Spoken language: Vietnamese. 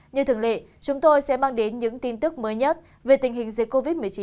như thường lệ chúng tôi sẽ mang đến những tin tức mới nhất về tình hình dịch covid một mươi chín